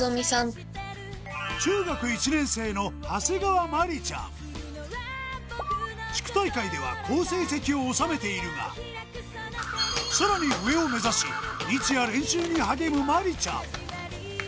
中学１年生の長谷川真理ちゃん地区大会では好成績をおさめているがさらに上を目指し真理ちゃん